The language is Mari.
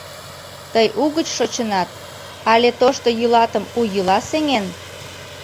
Тый угыч шочынат, але тошто йӱлатым у йӱла сеҥен?..